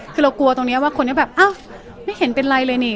คือเรากลัวตรงนี้ว่าคนนี้แบบอ้าวไม่เห็นเป็นไรเลยนี่